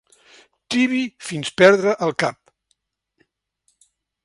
Tibi fins perdre el cap.